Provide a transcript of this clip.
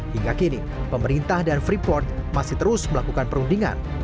hingga kini pemerintah dan freeport masih terus melakukan perundingan